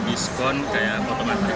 dikasih tahu semua ada aplikasi namanya airi